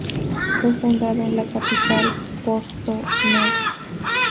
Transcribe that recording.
Fue fundado en la capital Porto Novo.